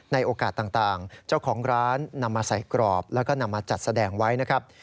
โอกาสต่างเจ้าของร้านนำมาใส่กรอบแล้วก็นำมาจัดแสดงไว้นะครับ